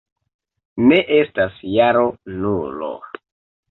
Ne estas jaro Nulo.